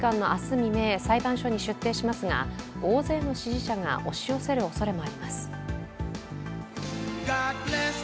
未明、裁判所に出廷しますが大勢の支持者が押し寄せるおそれもあります。